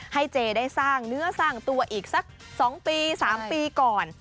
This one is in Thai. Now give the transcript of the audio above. เจได้สร้างเนื้อสร้างตัวอีกสัก๒ปี๓ปีก่อน